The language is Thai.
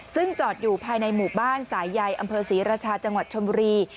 ซึ่งจอดอยู่ภายในหมู่บ้านสายใยอำเภอศรีราชาจังหวัดชนบุรี